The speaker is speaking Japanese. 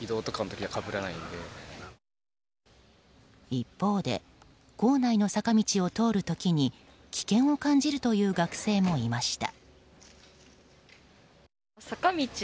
一方で構内の坂道を通る時に危険を感じるという学生もいました。